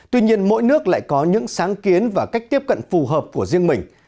tuy nhiên mỗi nước lại có những sáng kiến và cách tiếp cận phù hợp của riêng mình